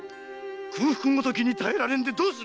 空腹ごときに耐えられんでどうする！